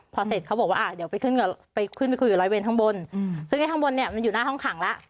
พอเสร็จเขาบอกว่าอ่ะเดี๋ยวไปขึ้นไปคุยกับร้อยเวนข้างบนซึ่งไอ้ข้างบนเนี่ยมันอยู่หน้าห้องขังแล้ว